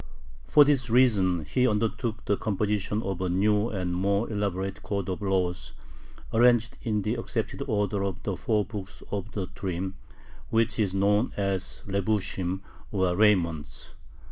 For this reason he undertook the composition of a new and more elaborate code of laws, arranged in the accepted order of the four books of the Turim, which is known as Lebushim, or "Raiments."